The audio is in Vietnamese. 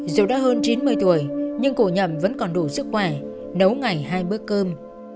dù đã hơn chín mươi tuổi nhưng cụ nhậm vẫn còn đủ sức khỏe nấu ngày hai bước cơm